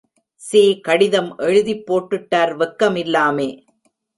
சீ, கடிதம் எழுதிப்போட்டுட்டார் வெக்கமிலாமே!